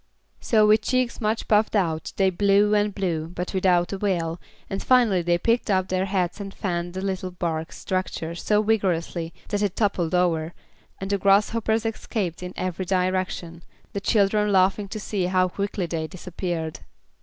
So, with cheeks much puffed out they blew and blew, but without avail, and finally they picked up their hats and fanned the little bark structure so vigorously that it toppled over, and the grasshoppers escaped in every direction, the children laughing to see how quickly they disappeared.